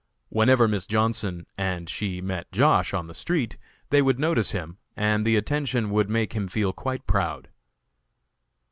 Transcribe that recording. Whenever Miss Johnson and she met Josh. on the street they would notice him, and the attention would make him feel quite proud.